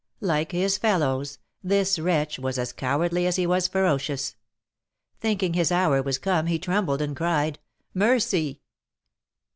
Like his fellows, this wretch was as cowardly as he was ferocious. Thinking his hour was come, he trembled, and cried "Mercy!"